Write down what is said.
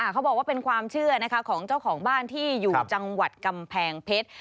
เขาบอกว่าเป็นความเชื่อนะคะของเจ้าของบ้านที่อยู่จังหวัดกำแพงเพชร